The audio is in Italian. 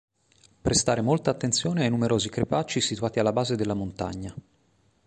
Prestare molta attenzione ai numerosi crepacci situati alla base della montagna.